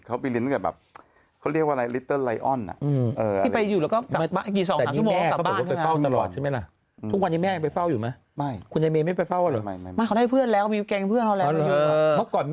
เขาไปเรียนตั้งแต่แบบ